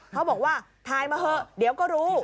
เขาบอกว่าถ่ายมาเถอะเดี๋ยวก็รู้